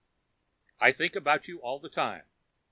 I think about you all the time.